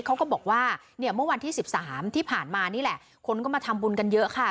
เขาก็บอกว่าเนี่ยเมื่อวันที่๑๓ที่ผ่านมานี่แหละคนก็มาทำบุญกันเยอะค่ะ